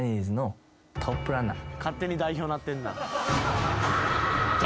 勝手に代表になってんな。